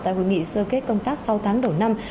tại hội nghị sơ kết công tác sáu tháng đầu năm